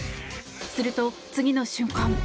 すると、次の瞬間。